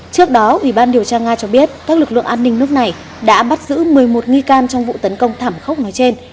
trước đó ủy ban điều tra nga cho biết các lực lượng an ninh nước này đã bắt giữ một mươi một nghi can trong vụ tấn công thảm khốc nói trên